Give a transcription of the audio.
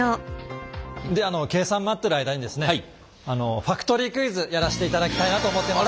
では計算待ってる間にですねファクトリークイズやらしていただきたいなと思ってます。